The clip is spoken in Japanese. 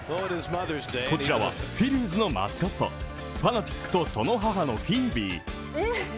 こちらは、フィリーズのマスコット、ファナティックとその母のフィービー。